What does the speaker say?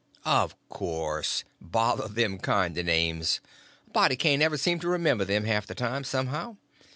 "Of course; bother them kind of names, a body can't ever seem to remember them, half the time, somehow.